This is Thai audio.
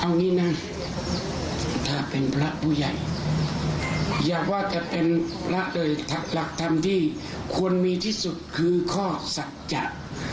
เอางี้นะถ้าเป็นพระผู้ใหญ่อย่าว่าจะเป็นละเลยหลักธรรมที่ควรมีที่สุดคือข้อสัจจะ